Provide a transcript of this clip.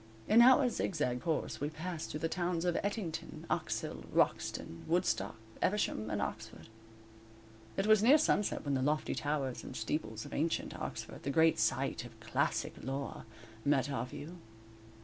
In our zigzag course we passed through the towns of Ettington, Oxhill, Wroxton, Woodstock, Eversham and Oxford. It was near sunset when the lofty towers and steeples of ancient Oxford, the great site of classic lore, met our view.